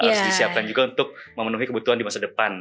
harus disiapkan juga untuk memenuhi kebutuhan di masa depan